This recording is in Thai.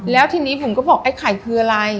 แล้วทีนี้ผมก็บอกไอ้ไข่คืออะไร